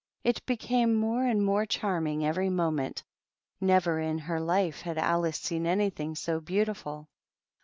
It became more a more charming every moment; never in her 1 had Alice seen anything so beautiful.